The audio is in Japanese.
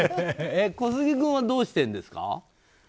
小杉君はどうしているんですか？